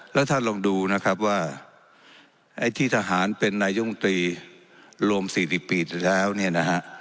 แล้วท่านลองดูนะครับว่าไอ้ที่ทหารเป็นนายมตรีรวม๔๐ปีเสร็จแล้วเนี่ยนะฮะ